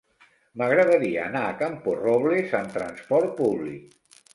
M'agradaria anar a Camporrobles amb transport públic.